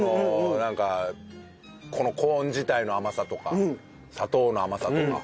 このコーン自体の甘さとか砂糖の甘さとか。